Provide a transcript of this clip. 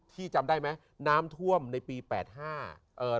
ที่จำได้ไหมน้ำท่วมในปี๘๕